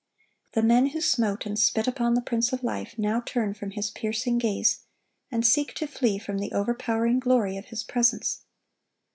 The men who smote and spit upon the Prince of life, now turn from His piercing gaze, and seek to flee from the overpowering glory of His presence.